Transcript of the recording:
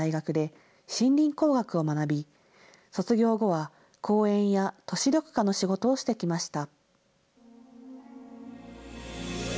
長野県の大学で、森林工学を学び、卒業後は公園や都市緑化の仕事をしてきました。